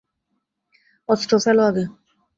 অস্ত্র ফেলো আগে!